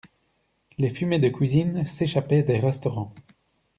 Les fumets de cuisine s'échappaient des restaurants.